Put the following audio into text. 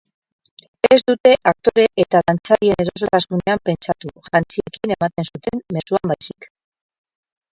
Ez dute aktore eta dantzarien erosotasunean pentsatu, jantziekin ematen zuten mezuan baizik.